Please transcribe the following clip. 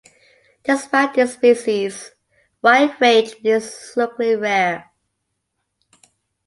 Despite this species' wide range, it is locally rare.